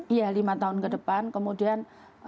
iya lima tahun ke depan kemudian